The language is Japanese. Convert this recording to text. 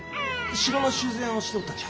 城の修繕をしておったんじゃ。